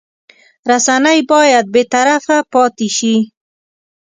رسنۍ باید بېطرفه پاتې شي.